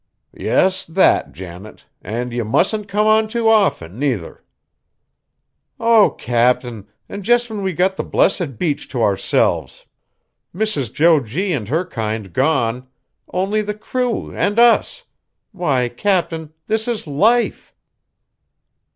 "Yes, that, Janet; and ye mustn't come on too often, nuther." "Oh! Cap'n, and just when we've got the blessed beach to ourselves! Mrs. Jo G. and her kind gone; only the crew and us! Why, Cap'n, this is life!"